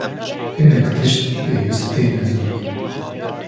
Hinek tişt pêwîst têne zanîn.